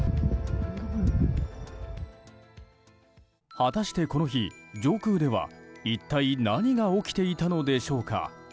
果たしてこの日、上空では一体、何が起きていたのでしょうか。